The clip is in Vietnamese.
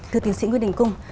thưa tiến sĩ nguyễn đình cung